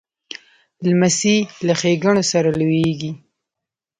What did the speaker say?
لمسی له ښېګڼو سره لویېږي.